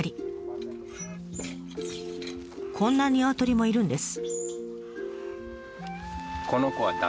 こんなニワトリもいるんです。